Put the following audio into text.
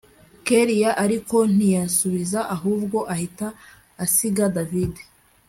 kellia ariko ntiyasubiza ahubwo ahita asiga david